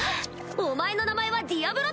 お前の名前はディアブロだ！